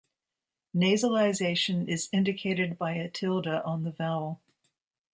Nasalisation is indicated by a tilde on the vowel.